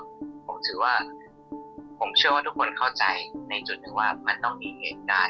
ผมเชื่อว่าทุกคนเข้าใจในจุดนึงว่ามันต้องมีเหงิดการ